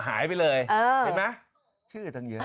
หายไปเลยเห็นไหมชื่อตั้งเยอะ